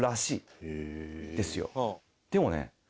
でもね